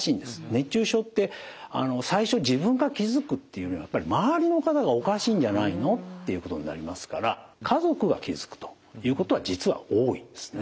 熱中症って最初自分が気付くっていうよりはやっぱり周りの方が「おかしいんじゃないの？」っていうことになりますから家族が気付くということは実は多いんですね。